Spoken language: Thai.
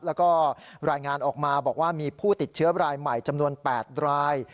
แล้วก็รายงานออกมาบอกว่ามีผู้ติดเชื้อรายใหม่จำนวน๘ราย